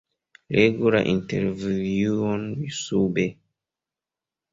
Legu la intervjuon sube.